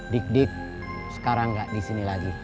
dik dik sekarang gak disini lagi